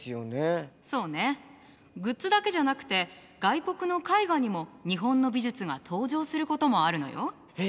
そうねグッズだけじゃなくて外国の絵画にも日本の美術が登場することもあるのよ。